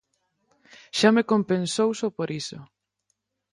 Xa me compensou só por iso.